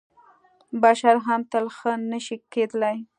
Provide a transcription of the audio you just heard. بشر هم تل ښه نه شي کېدلی .